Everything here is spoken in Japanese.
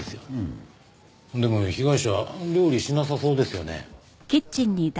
でも被害者料理しなさそうですよね。